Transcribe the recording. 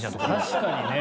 確かにね。